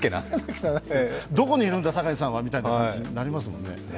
どこにいるんだ堺さんは、みたいな感じになりますね。